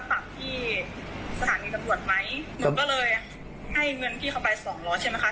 โหโตมันจนไว้เป็นกะษค่ะหนูก็เลยให้เรียกเขาไปคุยค่ะนี่กัน